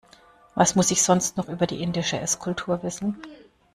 Was muss ich sonst noch über die indische Esskultur wissen?